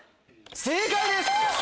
正解です！